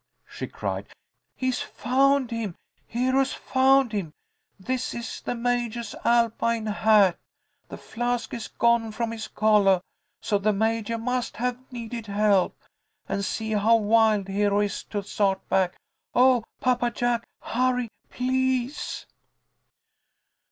she cried. "He's found him! Hero's found him! This is the Majah's Alpine hat. The flask is gone from his collah, so the Majah must have needed help. And see how wild Hero is to start back. Oh, Papa Jack! Hurry, please!"